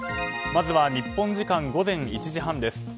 まずは日本時間午前１時半です。